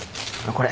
これ。